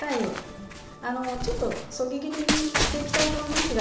ちょっとそぎ切りにしていきたいと思います。